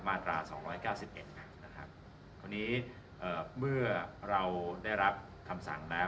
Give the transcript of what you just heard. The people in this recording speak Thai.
มาตราสองร้อยเก้าสิบเอ็ดนะครับคราวนี้เอ่อเมื่อเราได้รับคำสั่งแล้ว